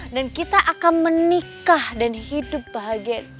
dan kita akan menikah dan hidup bahagia